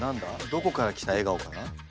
どこから来た笑顔かな？